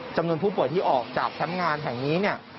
จำนวนผู้ป่วยที่ออกจากแคมป์งานแห่งนี้เนี่ย